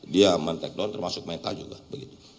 dia men take down termasuk meta juga begitu